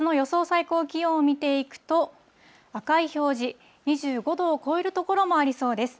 最高気温を見ていくと、赤い表示、２５度を超える所もありそうです。